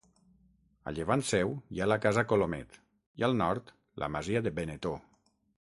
A llevant seu hi ha la Casa Colomet i al nord, la Masia de Benetó.